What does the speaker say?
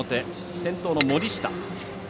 先頭の森下。